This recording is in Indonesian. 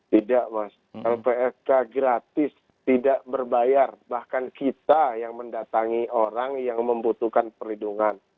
tidak mas lpsk gratis tidak berbayar bahkan kita yang mendatangi orang yang membutuhkan perlindungan